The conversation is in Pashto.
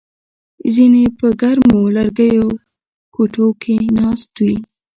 ځینې په ګرمو لرګیو کوټو کې ناست وي